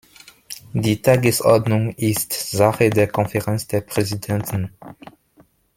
Die Tagesordnung ist Sache der Konferenz der Präsidenten.